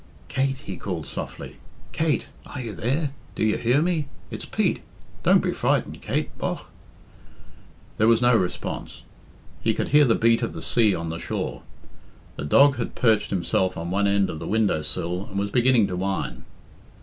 "Kate!" he called softly. "Kate! Are you there? Do you hear me? It's Pete. Don't be frightened, Kate, bogh!" There was no response. He could hear the beat of the sea on the shore. The dog had perched himself on one end of the window sill and was beginning to whine.